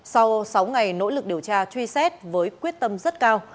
sau sáu ngày nỗ lực điều tra truy xét với quyết tâm rất cao